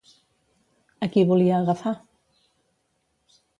A qui volia agafar?